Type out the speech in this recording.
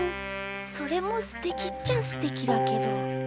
それもすてきっちゃすてきだけど。